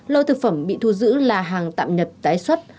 lô thực phẩm bị thu giữ là hàng tạm nhập tái xuất